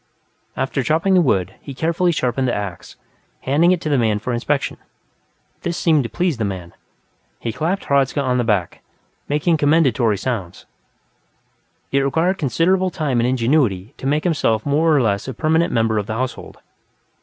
After chopping the wood, he carefully sharpened the ax, handing it to the man for inspection. This seemed to please the man; he clapped Hradzka on the shoulder, making commendatory sounds. It required considerable time and ingenuity to make himself a more or less permanent member of the household.